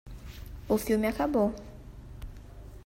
O filme acabou